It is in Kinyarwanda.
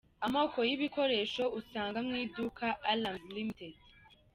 Amoko y’ibikoresho usanga mu iduka Alarms ltd.